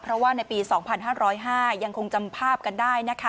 เพราะว่าในปี๒๕๐๕ยังคงจำภาพกันได้นะคะ